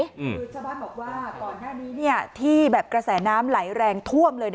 คือชาวบ้านบอกว่าก่อนหน้านี้ที่แบบกระแสน้ำไหลแรงท่วมเลย